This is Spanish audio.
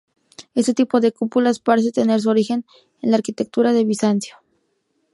Este tipo de cúpulas parece tener su origen en la arquitectura de Bizancio.